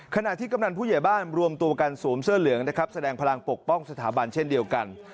ขณะที่กำนันผู้ใหญ่บ้านรวมตัวกันสวมเสื้อเหลืองนะครับแสดงพลังปกป้องสถาบันเช่นเดียวกัน